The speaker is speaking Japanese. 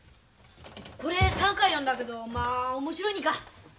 これ３回読んだけどまあ面白いにか。